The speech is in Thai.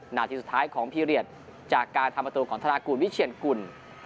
หน้าที่สุดท้ายของพิเศษจากการทำประตูของธนากลวิชั่นกล